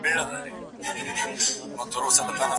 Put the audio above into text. هغه کيسې د تباهيو، سوځېدلو کړلې